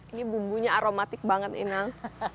ini bumbunya aromatik banget inang